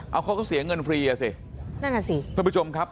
เอาเขาก็เสียเงินฟรีล่ามั้ยสิ